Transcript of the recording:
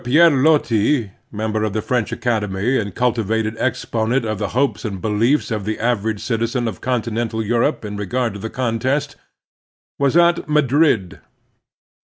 Pierre Loti, member of the French Acad emy and ctdtivated exponent of the hopes and beliefs of the average citizen of continental Europe in regard to the contest, was at Madrid.